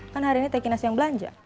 kan hari ini teki nasi yang belanja